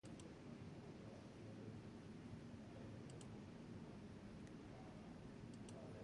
Zenbat erromes ez ote du ikusi igarotzen bere ate zahar eta originalak.